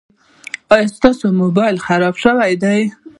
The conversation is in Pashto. ایا ستا مبایل خراب شوی ده؟